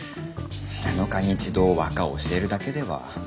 ７日に一度和歌を教えるだけでは。